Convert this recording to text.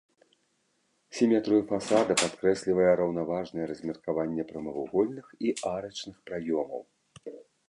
Сіметрыю фасада падкрэслівае раўнаважнае размеркаванне прамавугольных і арачных праёмаў.